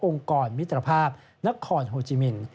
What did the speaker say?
กรมิตรภาพนครโฮจิมิน